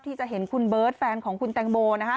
ที่จะเห็นคุณเบิร์ตแฟนของคุณแตงโมนะฮะ